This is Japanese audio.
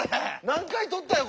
何回撮ったよ